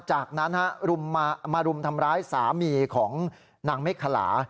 จากนั้นมารุมทำร้ายสามีของนางเมฆขลา